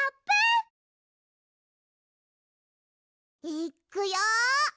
いっくよ！